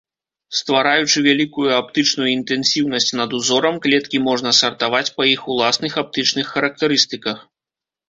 Ствараючы вялікую аптычную інтэнсіўнасць над узорам, клеткі можна сартаваць па іх уласных аптычных характарыстыках.